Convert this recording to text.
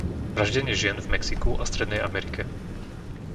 Vraždenie žien v Mexiku a strednej Amerike